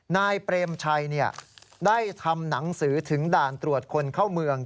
นายเปรมชัยได้ทำหนังสือถึงด่านตรวจคนเข้าเมือง